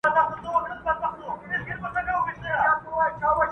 زما پر ښکلي اشنا وایه سلامونه.!